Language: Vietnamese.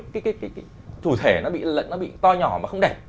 cái thủ thể nó bị to nhỏ mà không đẹp